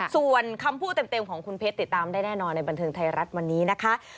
ส่วนคำพูดเต็มของคุณเพชรติดตามได้แน่นอนในบันเทิงไทยรัฐวันนี้นะคะ